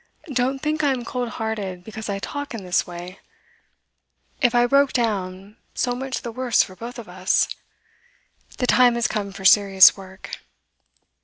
Don't think I am cold hearted because I talk in this way; if I broke down, so much the worse for both of us. The time has come for serious work.